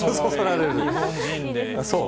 日本人で。